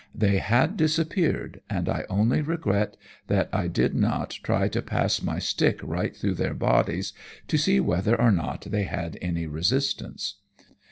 They had disappeared, and I only regret that I did not try to pass my stick right through their bodies, to see whether or not they had any resistance.